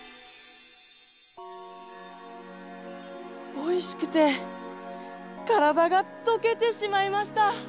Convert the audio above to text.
おいしくてからだがとけてしまいました！